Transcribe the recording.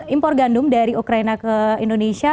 impor gandum dari ukraina ke indonesia